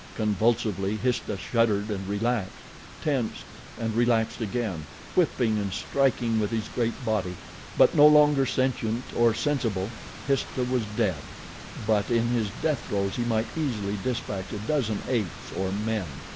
Convulsively Histah shuddered and relaxed, tensed and relaxed again, whipping and striking with his great body; but no longer sentient or sensible. Histah was dead, but in his death throes he might easily dispatch a dozen apes or men.